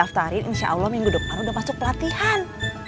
daftarin insya allah minggu depan udah masuk pelatihan